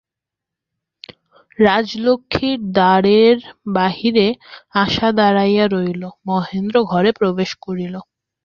রাজলক্ষ্মীর দ্বারের বাহিরে আশা দাঁড়াইয়া রহিল, মহেন্দ্র ঘরে প্রবেশ করিল।